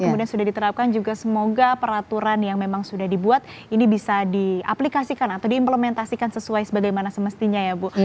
kemudian sudah diterapkan juga semoga peraturan yang memang sudah dibuat ini bisa diaplikasikan atau diimplementasikan sesuai sebagaimana semestinya ya bu